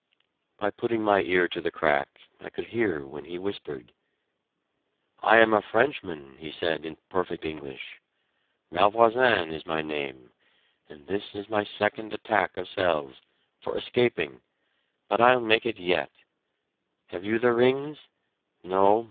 By putting my ear to the crack, I could hear when he whispered. "I am a Frenchman," he said in perfect English; "Malvoisin is my name, and this is my second attack of cells for escaping but I'll make it yet. Have you the rings? No?